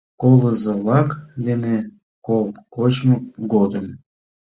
Колызо-влак дене кол кочмо годым...